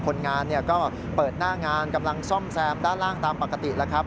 คนงานก็เปิดหน้างานกำลังซ่อมแซมด้านล่างตามปกติแล้วครับ